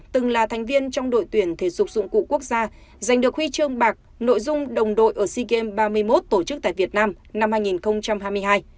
từng là thành viên trong đội tuyển thể dục dụng cụ quốc gia giành được huy chương bạc nội dung đồng đội ở sea games ba mươi một tổ chức tại việt nam năm hai nghìn hai mươi hai